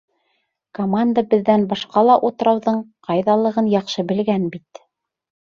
Команда беҙҙән башҡа ла утрауҙың ҡайҙалығын яҡшы белгән бит.